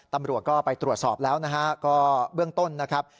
ตำรวจก็ไปตรวจสอบแล้วนะฮะก็เบื้องต้นนะครับ